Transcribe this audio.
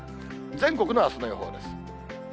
全国のあすの予報です。